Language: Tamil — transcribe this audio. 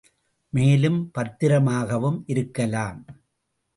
மேலும் பத்திரமாகவும் இருக்கலாம்.